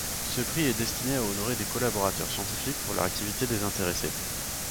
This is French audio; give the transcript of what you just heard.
Ce prix est destiné à honorer des collaborateurs scientifiques pour leur activité désintéressée.